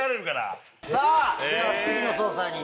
さぁでは次の捜査に。